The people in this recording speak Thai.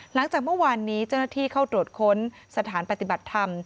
หลังจากเมื่อวานนี้เจ้าหน้าที่เข้าตรวจค้นสถานปฏิบัติธรรม